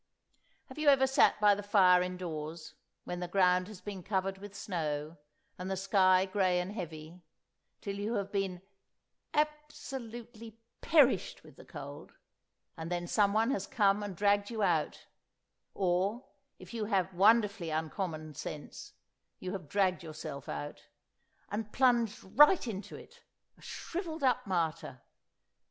Have you ever sat by the fire indoors, when the ground has been covered with snow, and the sky grey and heavy, till you have been "absolutely perished with the cold," and then someone has come and dragged you out (or, if you have wonderfully uncommon sense, you have dragged yourself out), and plunged right into it—a shrivelled up martyr!